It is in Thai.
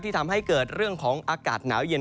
ทำให้เกิดเรื่องของอากาศหนาวเย็น